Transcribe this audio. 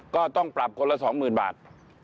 ก็ต้องปรับคนละสองหมื่นบาท